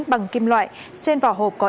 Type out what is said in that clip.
bằng kim loại trên vỏ hộp có